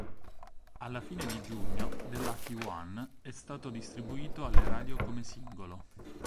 Alla fine di giugno, "The Lucky One" è stato distribuito alle radio come singolo.